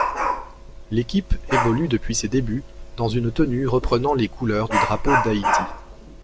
L'équipe évolue depuis ses débuts dans une tenue reprenant les couleurs du drapeau d'Haïti.